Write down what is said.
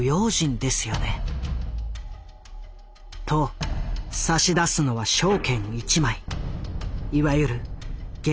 と差し出すのは証券一枚。